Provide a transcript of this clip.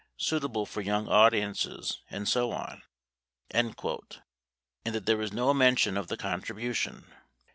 . suitable for young audiences and so on ..." 42 and that there was no mention of the contribution.